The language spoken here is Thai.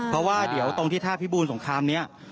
เพราะว่าเดี๋ยวตรงที่ท่าพิบูรสงครามนี้